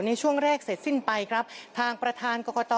ในช่วงแรกเสร็จสิ้นไปครับทางประธานกรกต